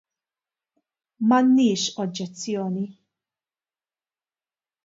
M'għandniex oġġezzjoni.